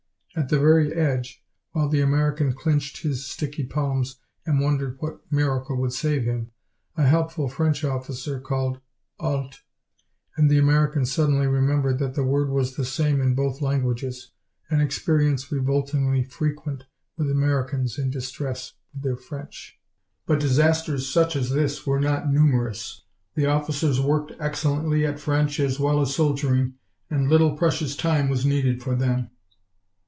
At the very edge, while the American clinched his sticky palms and wondered what miracle would save him, a helpful French officer called "Halte," and the American suddenly remembered that the word was the same in both languages an experience revoltingly frequent with Americans in distress with their French. But disasters such as this were not numerous. The officers worked excellently, at French as well as soldiering, and little precious time was needed for them.